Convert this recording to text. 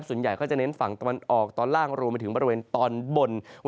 ส่วนใหญ่ก็จะเน้นฝั่งตะวันออกตอนล่างรวมไปถึงบริเวณตอนบน